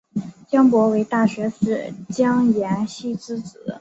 蒋溥为大学士蒋廷锡之子。